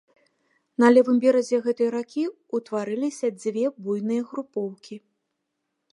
На левым беразе гэтай ракі ўтварыліся дзве буйныя групоўкі.